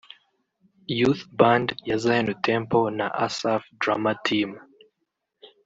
Youth Band ya Zion Temple na Asaph Drama Team